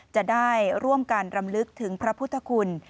จะได้ร่วมกันรำลึกถึงพระพุทธคุณ